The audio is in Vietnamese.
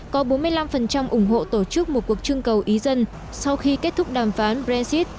có bốn mươi năm ủng hộ tổ chức một cuộc trưng cầu ý dân sau khi kết thúc đàm phán brexit